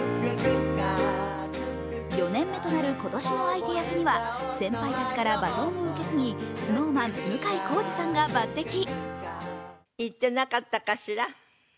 ４年目となる今年の相手役には先輩たちからバトンを受け継ぎＳｎｏｗＭａｎ・向井康二さんが抜てき。